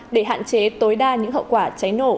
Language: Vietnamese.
để hạn chế tối đa những hậu quả cháy nổ